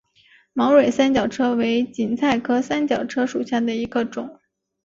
毛蕊三角车为堇菜科三角车属下的一个种。